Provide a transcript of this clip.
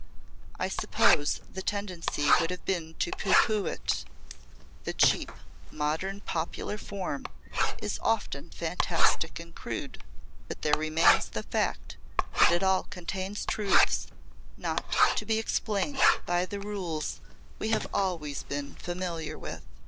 I suppose the tendency would have been to pooh pooh it. The cheap, modern popular form is often fantastic and crude, but there remains the fact that it all contains truths not to be explained by the rules we have always been familiar with."